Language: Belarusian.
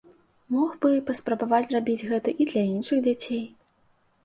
Мог бы паспрабаваць зрабіць гэта і для іншых дзяцей.